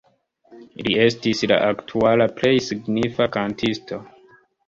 Li estis la aktuala plej signifa kantisto.